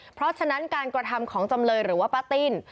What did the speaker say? เพราะฉะนั้นการกระทำของจำเลยหรือว่าป้าติ้น